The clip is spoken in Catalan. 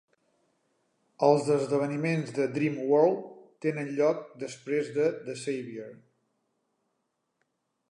Els esdeveniments de Dream World tenen lloc després de "The Savior".